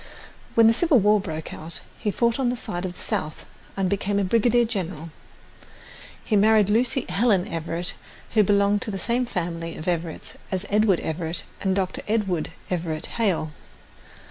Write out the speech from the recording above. When the Civil War broke out, he fought on the side of the South and became a brigadier general. He married Lucy Helen Everett, who belonged to the same family of Everetts as Edward Everett and Dr. Edward Everett Hale.